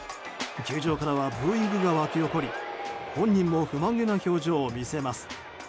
球場からはブーイングが沸き起こり本人も不満げな表情を見せます。